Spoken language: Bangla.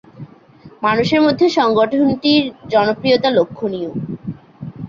মানুষের মধ্যে সংগঠনটির জনপ্রিয়তা লক্ষনীয়।